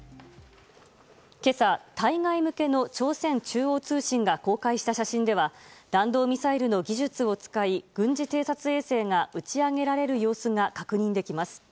今朝、対外向けの朝鮮中央通信が公開した写真では弾道ミサイルの技術を使い軍事偵察衛星が打ち上げられる様子が確認できます。